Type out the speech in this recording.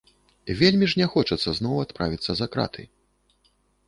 Вельмі ж не хочацца зноў адправіцца за краты.